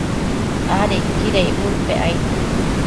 adequida icbudpec aid